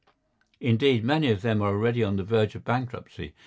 Indeed, many of them are already on the verge of bankruptcy.